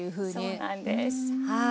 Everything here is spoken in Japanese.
そうなんですはい。